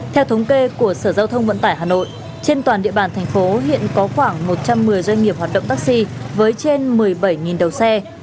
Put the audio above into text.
theo thống kê của sở giao thông vận tải hà nội trên toàn địa bàn thành phố hiện có khoảng một trăm một mươi doanh nghiệp hoạt động taxi với trên một mươi bảy đầu xe